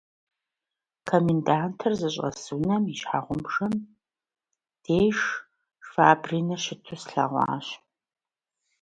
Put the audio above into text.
У окошка комендантского дома я увидел стоящего Швабрина.